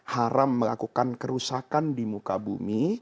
haram melakukan kerusakan di muka bumi